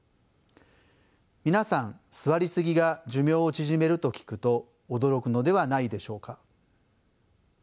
皆さん座りすぎが寿命を縮めると聞くと驚くのではないでしょうか？